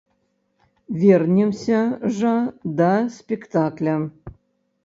Вернемся жа да спектакля.